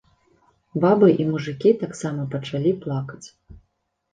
Бабы і мужыкі таксама пачалі плакаць.